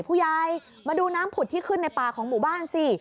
ผู้ใหญ่มาดูน้ำผุดที่ขึ้นในป่าของหมู่บ้านสิ